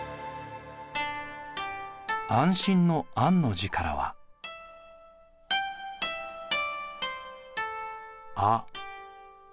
安心の「安」の字からは「あ」。